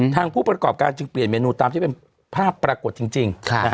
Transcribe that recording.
ผู้ประกอบการจึงเปลี่ยนเมนูตามที่เป็นภาพปรากฏจริง